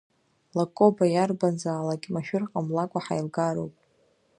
Лакоба иарбанзаалакь машәыр ҟамлакәа ҳаилгароуп.